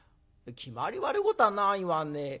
きまり悪いことはないわね。